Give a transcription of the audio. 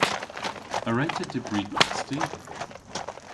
A wre'ta dybri pasti?